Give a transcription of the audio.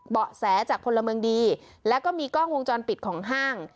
เบาะแสจากพลเมืองดีแล้วก็มีกล้องวงจรปิดของห้าง